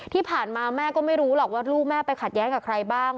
ที่ผ่านมาแม่ก็ไม่รู้หรอกว่าลูกแม่ไปขัดแย้งกับใครบ้าง